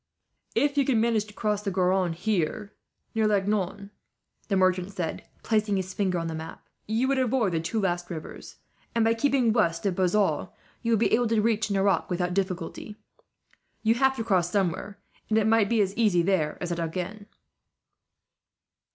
"If you can manage to cross the Garonne here, near Langon," the merchant said, placing his finger on the map, "you would avoid the two last rivers and, by keeping west of Bazas, you would be able to reach Nerac without difficulty. You have to cross somewhere, and it might be as easy there as at Agen."